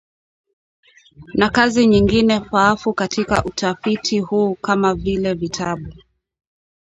na kazi nyingine faafu katika utafiti huu kama vile vitabu